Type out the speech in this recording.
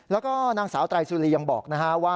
แล้วก็นางสาวไตรสุรียังบอกนะฮะว่า